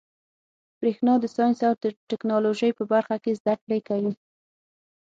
برېښنا د ساینس او ټيکنالوجۍ په برخه کي زده کړي کوي.